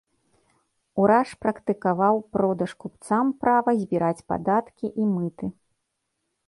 Ураш практыкаваў продаж купцам права збіраць падаткі і мыты.